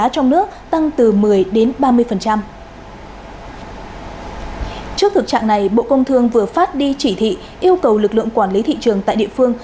trước thực trạng này bộ công thương vừa phát đi chỉ thị yêu cầu lực lượng quản lý thị trường tại địa phương